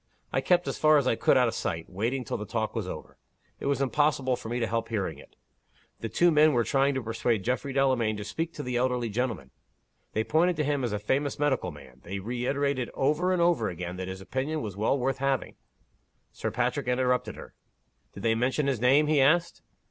I kept as far as I could out of sight, waiting till the talk was over. It was impossible for me to help hearing it. The two men were trying to persuade Geoffrey Delamayn to speak to the elderly gentleman. They pointed to him as a famous medical man. They reiterated over and over again, that his opinion was well worth having " Sir Patrick interrupted her. "Did they mention his name?" he asked.